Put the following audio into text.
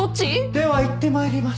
では行って参ります。